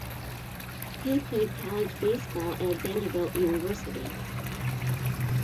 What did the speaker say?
He played college baseball at Vanderbilt University.